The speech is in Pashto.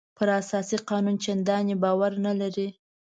پر اساسي قانون چندانې باور نه لري.